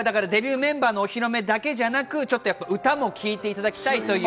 デビューメンバーのお披露目だけじゃなく、ちょっと歌も聴いていただきたいという